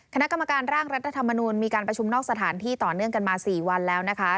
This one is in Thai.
คณะกรรมการร่างรัฐธรรมนูลมีการประชุมนอกสถานที่ต่อเนื่องกันมา๔วันแล้วนะคะ